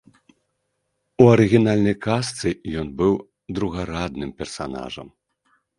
У арыгінальнай казцы ён быў другарадным персанажам.